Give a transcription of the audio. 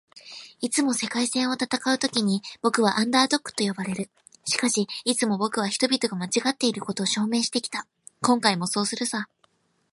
「いつも“世界戦”を戦うときに僕は『アンダードッグ』と呼ばれる。しかし、いつも僕は人々が間違っていることを証明してきた。今回もそうするさ」